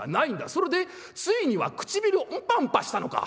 それでついには唇をンパンパしたのか。